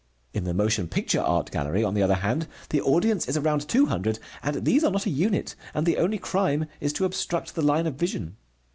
In the motion picture art gallery, on the other hand, the audience is around two hundred, and these are not a unit, and the only crime is to obstruct the line of vision.